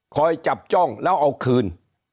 จับจ้องแล้วเอาคืน